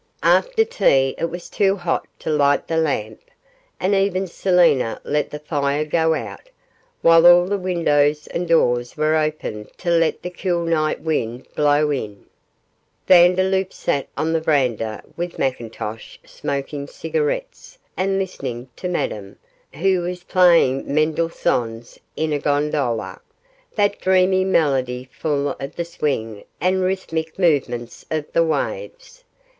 After tea it was too hot to light the lamp, and even Selina let the fire go out, while all the windows and doors were open to let the cool night wind blow in. Vandeloup sat on the verandah with McIntosh smoking cigarettes and listening to Madame, who was playing Mendelssohn's 'In a Gondola', that dreamy melody full of the swing and rhythmic movement of the waves.